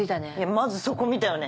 まずそこ見たよね。